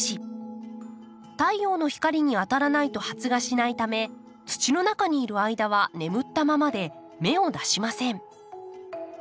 太陽の光に当たらないと発芽しないため土の中にいる間は眠ったままで芽を出しません。